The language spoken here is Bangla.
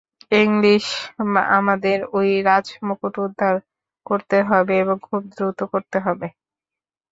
ইংলিশ, আমাদের ঐ রাজমুকুট উদ্ধার করতে হবে, এবং খুব দ্রুত করতে হবে।